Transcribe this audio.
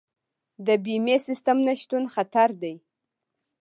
د بیمې سیستم نشتون خطر دی.